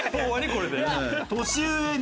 これで。